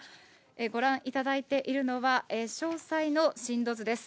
ご覧いただいているのは詳細の震度図です。